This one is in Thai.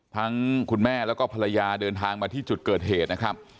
คุณแม่แล้วก็ภรรยาเดินทางมาที่จุดเกิดเหตุนะครับ